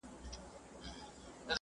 هغه څوک چي امادګي منظم وي؟!